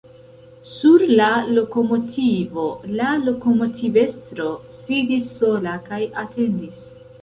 Sur la lokomotivo la lokomotivestro sidis sola kaj atendis.